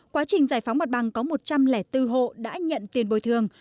quá trình giải phóng mặt bằng có một trăm linh bốn hộ đã nhận tiền bồi thường